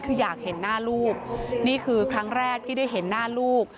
คืออยากเห็นหน้าลูกนี่คือครั้งแรกที่ได้เห็นหน้าลูก